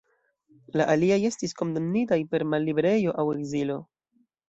La aliaj estis kondamnitaj per malliberejo aŭ ekzilo.